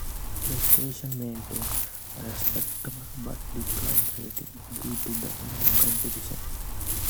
The station maintained respectable but declining ratings, due to the new competition.